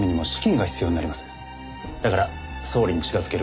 だから総理に近づける